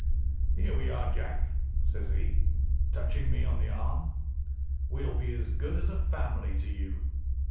"'Here we are, Jack,' says he, touching me on the arm; 'we'll be as good as a family to you.